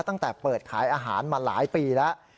ตั้งแต่เปิดขายอาหารมาหลายปีแล้ว